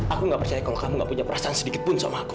aku nggak percaya kalau kamu gak punya perasaan sedikit pun sama aku